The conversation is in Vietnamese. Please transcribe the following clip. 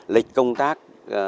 lịch công tác